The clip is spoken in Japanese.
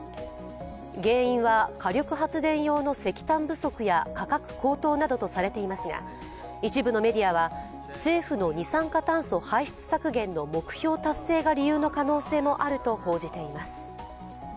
原因は火力発電用の石炭不足や価格高騰などとされていますが一部のメディアは政府の二酸化炭素排出削減の目標達成が理由の可能性もあると報じています。